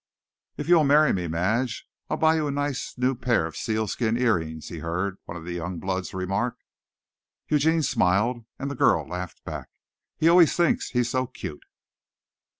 "If you'll marry me, Madge, I'll buy you a nice new pair of seal skin earrings," he heard one of the young bloods remark. Eugene smiled, and the girl laughed back. "He always thinks he's so cute."